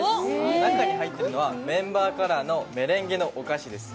中に入ってるのはメンバーカラーのメレンゲのお菓子です。